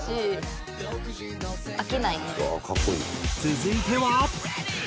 続いては。